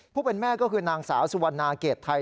ผู้เป็นแม่ก็คือนางสาวสุวรรณาเกรดไทย